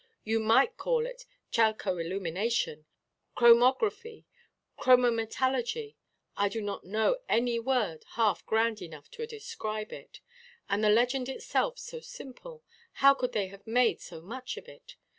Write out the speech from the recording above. You might call it chalco–illumination, chromography, chromometallurgy; I do not know any word half grand enough to describe it. And the legend itself so simple, how could they have made so much of it?